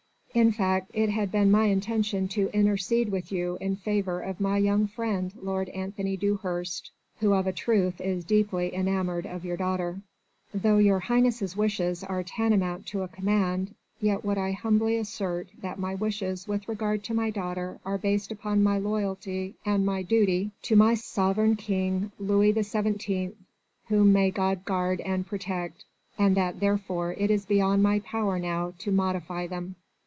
In fact, it had been my intention to intercede with you in favour of my young friend Lord Anthony Dewhurst, who of a truth is deeply enamoured of your daughter." "Though your Highness' wishes are tantamount to a command, yet would I humbly assert that my wishes with regard to my daughter are based upon my loyalty and my duty to my Sovereign King Louis XVII, whom may God guard and protect, and that therefore it is beyond my power now to modify them."